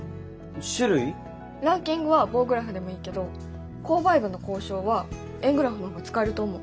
ランキングは棒グラフでもいいけど購買部の交渉は円グラフの方が使えると思う。